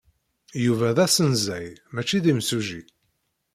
Yuba d asenzay, maci d imsujji.